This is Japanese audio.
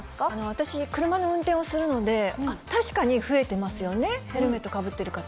私、車の運転をするので、確かに増えてますよね、ヘルメットかぶってる方。